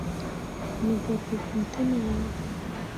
Megah tokki ten ah ya.